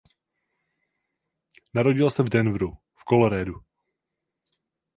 Narodila se v Denveru v Coloradu.